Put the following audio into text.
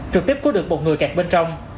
trực tiếp có được một người kẹt bên trong